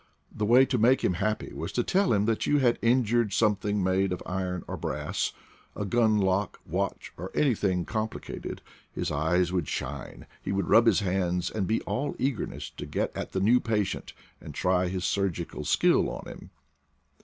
The way to make him happy was to tell him that you had injured some thing made of iron or brass — a gun lock, watch, or anything complicated. His eyes would shine, he 22 IDLE DAYS IN PATAGONIA would rub his hands and be all eagerness to get at the new patient to try his surgical skill on him.